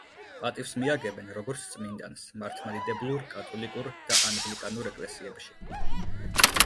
პატივს მიაგებენ, როგორც წმინდანს მართლმადიდებლურ, კათოლიკურ და ანგლიკანურ ეკლესიებში.